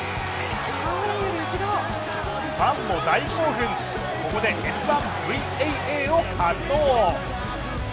ファンも大興奮、ここで「Ｓ☆１」ＶＡＡを発動。